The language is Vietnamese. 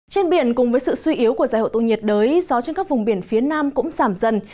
trên biển cùng với sự suy yếu của giải hội tụ nhiệt đới gió trên các vùng biển phía nam cũng giảm dần